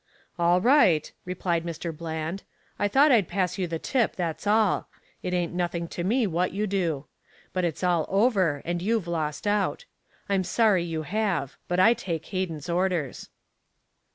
"All right," replied Mr. Bland, "I thought I'd pass you the tip, that's all. It ain't nothing to me what you do. But it's all over, and you've lost out. I'm sorry you have but I take Hayden's orders."